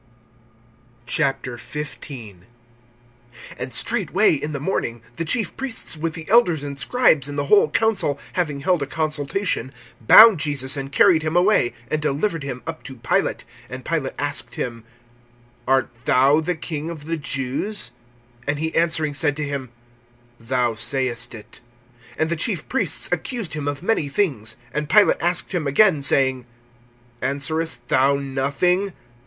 XV. AND straightway, in the morning, the chief priests with the elders and scribes and the whole council, having held a consultation, bound Jesus and carried him away, and delivered him up to Pilate. (2)And Pilate asked him: Art thou the King of the Jews? And he answering said to him: Thou sayest it. (3)And the chief priests accused him of many things. (4)And Pilate asked him again, saying: Answerest thou nothing?